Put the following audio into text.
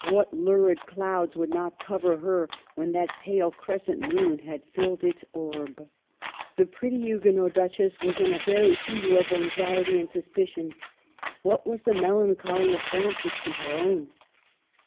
What lurid clouds would not cover her when that pale crescent moon had filled its orb? The pretty Huguenot Duchess was in a very fever of anxiety and suspicion. What was the melancholy of Francis to her own?